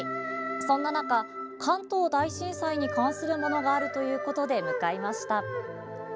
そんな中関東大震災に関するものがあるということで向かいました。